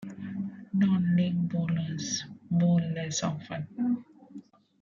Non-league bowlers bowl less often.